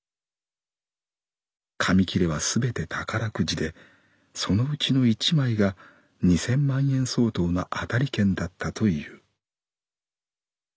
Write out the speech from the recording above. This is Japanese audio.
紙きれは全て宝くじでそのうちの一枚が二千万円相当の当たり券だったという」。